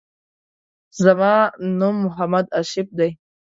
زما نوم محمد آصف دی.